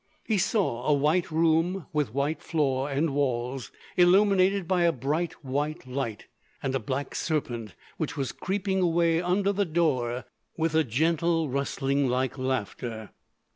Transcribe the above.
He saw a white room, with white floor and walls, illumined by a bright, white light, and a black serpent which was creeping away under the door with a gentle rustling like laughter.